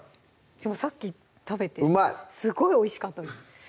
さっき食べてすごいおいしかったです